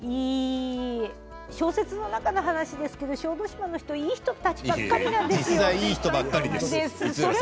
小説の中の話ですけど小豆島の人たちいい人ばかりなんですよ。